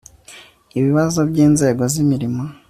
ibibazo by'inzego z'imirimo